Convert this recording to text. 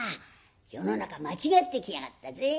世の中間違ってきやがったぜ。